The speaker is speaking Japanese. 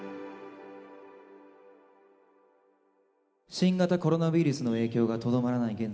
新型コロナウイルスの影響がとどまらない現在。